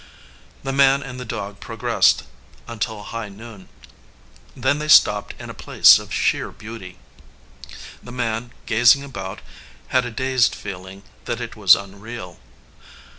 r \ The man and the dog progressed until high noon. Then they stopped in a place of sheer beauty. The man, gazing about, had a dazed feel ing that it was unreal.